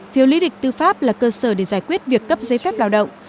phiếu lý lịch tư pháp là cơ sở để giải quyết việc cấp giấy phép lao động